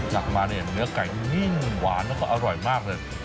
หนักมาเนี่ยเนื้อไก่นิ่งหวานแล้วก็อร่อยมากเลย